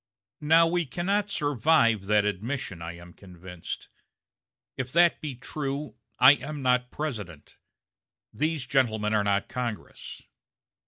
Now we cannot survive that admission, I am convinced. If that be true, I am not President; these gentlemen are not Congress.